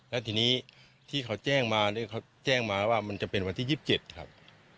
แล้วทีนี้ที่เขาแจ้งมาว่ามันจะเป็นวันที่๒๗ครับ